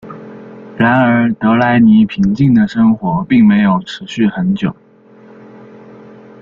然而德莱尼平静的生活并没有持续很久。